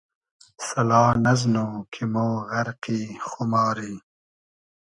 سئلا نئزنو کی مۉ غئرقی خوماری